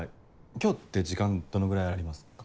今日って時間どのぐらいありますか？